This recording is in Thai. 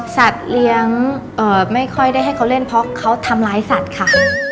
สัตว์เลี้ยงไม่ค่อยได้ให้เขาเล่นเพราะเขาทำร้ายสัตว์ค่ะ